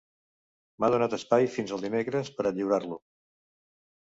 M'han donat espai fins al dimecres per a lliurar-lo.